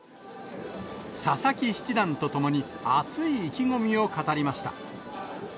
佐々木七段と共に、熱い意気込みを語りました。